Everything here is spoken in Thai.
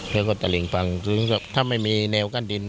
แล้วก็ตลิ่งฟังคือถ้าไม่มีแนวกั้นดิน